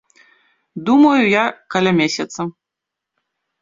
Думаў я каля месяца.